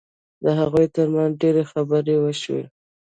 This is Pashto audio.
د هغوی ترمنځ ډېرې خبرې وشوې